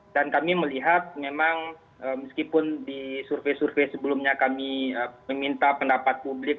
dan kami melihat memang meskipun di survei survei sebelumnya kami meminta pendapat publik